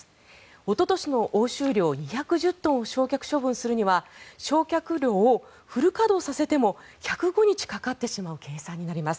おととしの押収量２１０トンを焼却処分するには焼却炉をフル稼働させても１０５日かかってしまう計算になります。